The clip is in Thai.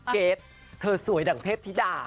เกรทเธอสวยดังเทพธิดา